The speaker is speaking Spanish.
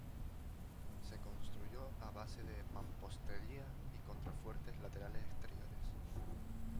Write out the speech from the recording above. Se construyó a base de mampostería y contrafuertes laterales exteriores.